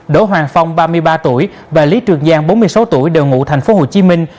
đỗ hoàng phong ba mươi ba tuổi và lý trường giang bốn mươi sáu tuổi đều ngụ thành phố hồ chí minh